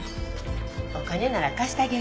お金なら貸してあげる。